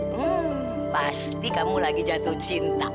hmm pasti kamu lagi jatuh cinta